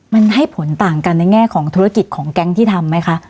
มันให้ผลต่างกันในแง่ของธุรกิจของแก๊งที่ทำไหมคะ